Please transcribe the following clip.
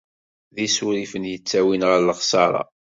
D isurifen yettawin ɣer lexsara.